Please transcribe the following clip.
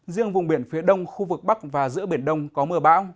riêng vùng biển phía đông khu vực bắc và giữa biển đông có mưa bão